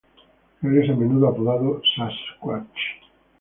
Él es a menudo apodado "Sasquatch".